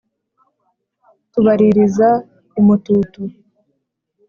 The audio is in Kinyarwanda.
tubaririza i mututu